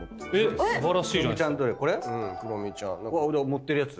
持ってるやつ？